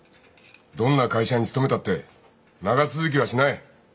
どんな会社に勤めたって長続きはしない。